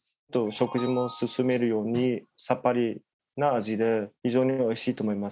食事も進めるようにさっぱりな味で非常に美味しいと思いますね。